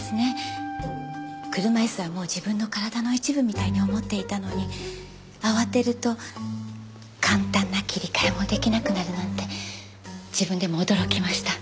車椅子はもう自分の体の一部みたいに思っていたのに慌てると簡単な切り替えも出来なくなるなんて自分でも驚きました。